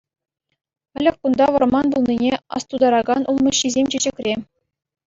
Ӗлӗк кунта вӑрман пулнине астутаракан улмуҫҫисем чечекре.